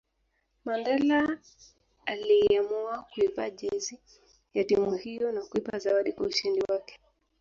Mandela aliiamua kuivaa jezi ya timu hiyo na kuipa zawadi kwa ushindi wake